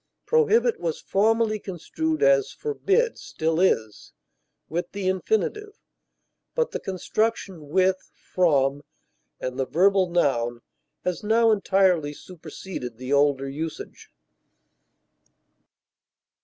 Prohibit was formerly construed, as forbid still is, with the infinitive, but the construction with from and the verbal noun has now entirely superseded the older usage.